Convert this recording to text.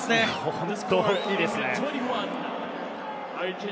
本当に大きいですね。